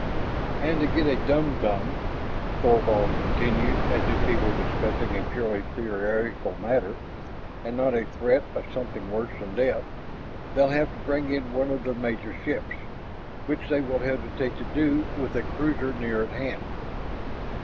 "And to get a dumdum," Thorvald continued as if he were discussing a purely theoretical matter and not a threat of something worse than death, "They'll have to bring in one of their major ships. Which they will hesitate to do with a cruiser near at hand.